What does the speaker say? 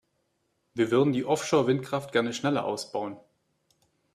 Wir würden die Offshore-Windkraft gerne schneller ausbauen.